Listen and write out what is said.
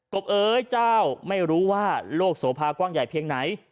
บเอ๋ยเจ้าไม่รู้ว่าโลกโสภากว้างใหญ่เพียงไหน